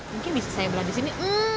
mungkin bisa saya belan disini